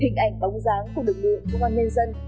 hình ảnh bóng dáng của đồng lượng của ngôn nhân dân